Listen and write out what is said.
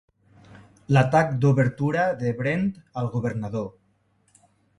L'atac d'obertura de Brent al Governador!